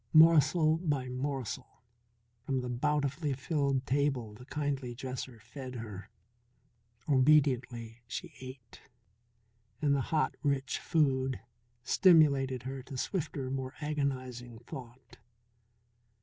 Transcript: Morsel by morsel from the bountifully filled table the kindly dresser fed her. Obediently she ate, and the hot, rich food stimulated her to swifter, more agonizing thought.